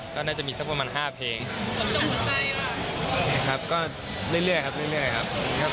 ครับก็เล่นเรื่อยครับ